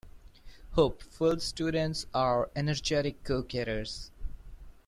Hope filled students are energetic go-getters.